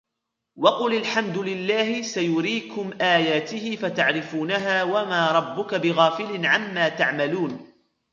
وقل الحمد لله سيريكم آياته فتعرفونها وما ربك بغافل عما تعملون